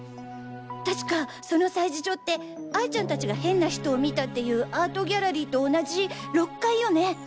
確かその催事場って哀ちゃん達が変な人を見たっていうアートギャラリーと同じ６階よね？